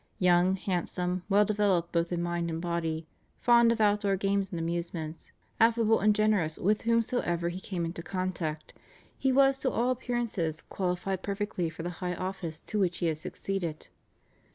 Young, handsome, well developed both in mind and body, fond of outdoor games and amusements, affable and generous with whomsoever he came into contact, he was to all appearances qualified perfectly for the high office to which he had succeeded.